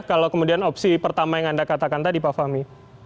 kalau kemudian opsi pertama yang anda katakan tadi pak fahmi